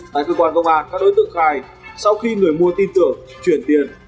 tại cơ quan công an các đối tượng khai sau khi người mua tin tưởng chuyển tiền